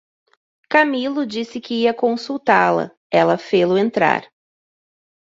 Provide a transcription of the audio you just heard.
Camilo disse que ia consultá-la, ela fê-lo entrar.